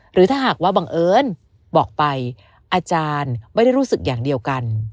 หรือถ้าหากว่าบังเอิญบอกไปอาจารย์ไม่ได้รู้สึกอย่างเดียวกัน